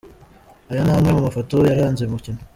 Aya ni amwe mu mafoto yaranze uyu mukino.